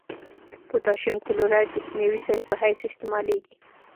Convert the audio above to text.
پوتاشیم کلورایډ د کیمیاوي سرې په حیث استعمالیږي.